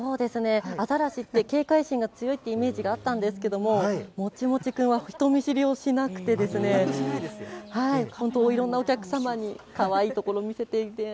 アザラシって、警戒心が強いってイメージがあったんですけれども、もちもちくんは人見知りをしなくて、本当、いろんなお客様にかわいいところ見せていて。